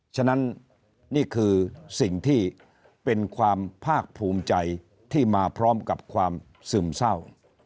ฉะนั้นนี่คือสิ่งที่เป็นความภาคภูมิใจที่มาพร้อมกับความซึมเศร้า